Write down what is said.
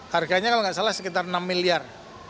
harganya kalau nggak salah sekitar enam miliar